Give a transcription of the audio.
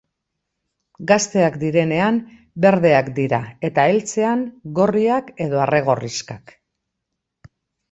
Gazteak direnean berdeak dira eta heltzean gorriak edo arre-gorrixkak.